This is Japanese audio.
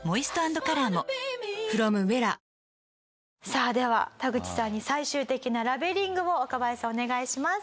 さあではタグチさんに最終的なラベリングを若林さんお願いします。